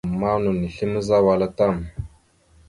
Ama no nislémazza wal a tam.